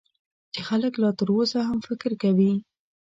چې خلک لا تر اوسه هم فکر کوي .